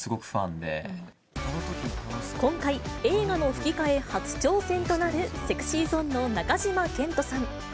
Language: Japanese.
今回、映画の吹き替え初挑戦となるＳｅｘｙＺｏｎｅの中島健人さん。